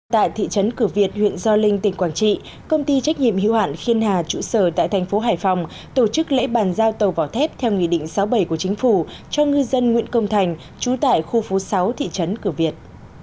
tại thị trấn cửa việt huyện gio linh tỉnh quảng trị công ty trách nhiệm hữu hạn khiên hà trụ sở tại thành phố hải phòng tổ chức lễ bàn giao tàu vỏ thép theo nghị định sáu bảy của chính phủ cho ngư dân nguyễn công thành trú tại khu phố sáu thị trấn cửa việt